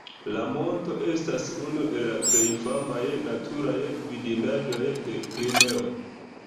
La monto estas unu el la plej famaj naturaj vidindaĵoj de Krimeo.